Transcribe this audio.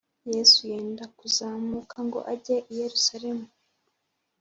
Yesu yenda kuzamuka ngo ajye i Yerusalemu